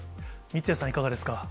三屋さん、いかがですか。